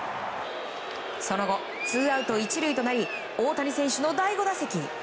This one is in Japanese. その後、ツーアウト１塁となり大谷選手の第５打席。